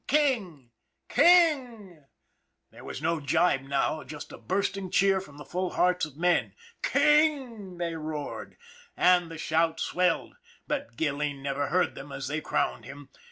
King ! King! " There was no gibe now just a bursting cheer from the full hearts of men. " King! " they roared, and the shout swelled, but Gilleen never heard them as they crowned him.